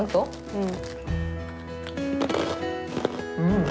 うん！